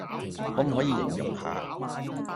可唔可以形容下